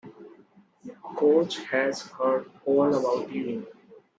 Coach has heard all about you.